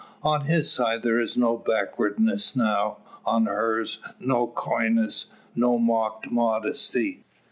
On his side there is no backwardness now; on hers no coyness, no mock modesty.